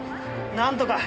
なんとか。